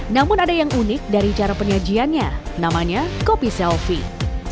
namun ada yang unik dari cara penyajiannya namanya kopi selfie